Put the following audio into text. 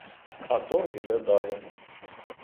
А торг іде далі.